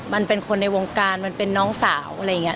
มันเป็นคนในวงการมันเป็นน้องสาวอะไรอย่างนี้